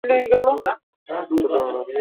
অসাধারণ, হ্যাঁ।